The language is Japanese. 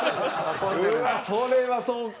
うわそれはそうか。